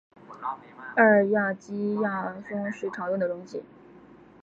二甲基亚砜是常用的溶剂。